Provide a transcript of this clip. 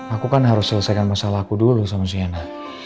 aku kan harus selesaikan masalah aku dulu sama siena